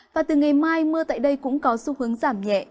và từ ngày mai mưa tại đây cũng có xu hướng giảm nhẹ